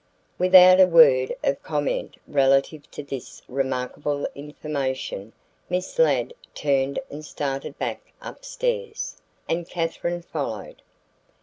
Without a word of comment relative to this remarkable information, Miss Ladd turned and started back upstairs, and Katherine followed.